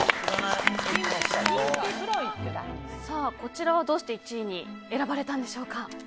こちらはどうして１位に選ばれたんでしょうか。